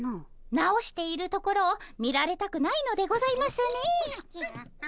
直しているところを見られたくないのでございますね。